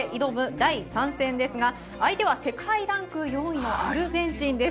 第３戦ですが、相手は世界ランク４位のアルゼンチンです。